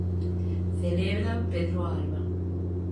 Celebra Pedro Alba.